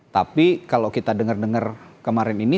tapi kalau kita dengar dengar kemarin ini